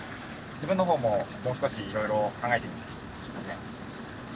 自分の方ももう少しいろいろ考えてみます。